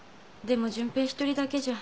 でも純平１人だけじゃ。